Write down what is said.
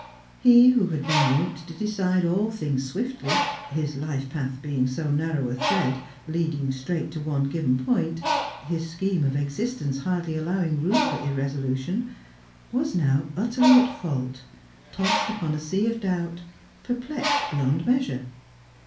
He who had been won't to decide all things swiftly (his Ufe path being so narrow a thread, leading straight to one given point, his scheme of existence hardly allowing room for irresolution) was now utterly at fault, tossed upon a sea of doubt, perplexed beyond measure.